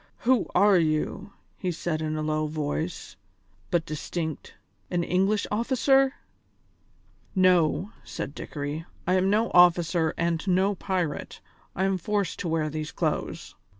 "Who are you?" he said in a low voice, but distinct, "an English officer?" "No," said Dickory, "I am no officer and no pirate; I am forced to wear these clothes."